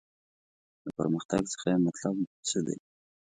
له پرمختګ څخه یې مطلب څه دی.